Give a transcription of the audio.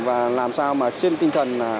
và làm sao mà trên tinh thần